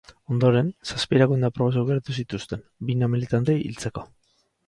Ondoren, zazpi erakunde apropos aukeratu zituzten, bina militante hiltzeko.